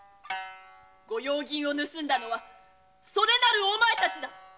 「御用銀を盗んだのはそれなるお前たちだ」